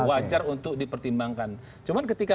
wajar untuk dipertimbangkan cuman ketika